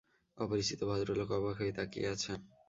অপরিচিত ভদ্রলোক অবাক হয়ে তাকিয়ে আছেন।